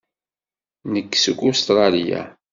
Nekk seg Ustṛalya.